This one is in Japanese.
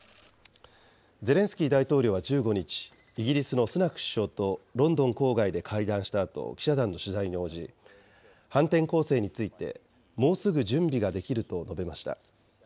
ゼレンスキー大統領は１５日、イギリスのスナク首相とロンドン郊外で会談したあと、記者団の取材に応じ、反転攻勢について、もうすぐ準備ができると述べました。